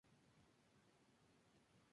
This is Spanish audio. Se quitó la vida con veneno para plantas.